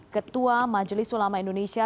ketua majelis ulama indonesia